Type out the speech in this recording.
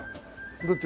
どっち？